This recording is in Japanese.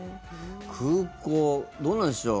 空港、どうなんでしょう。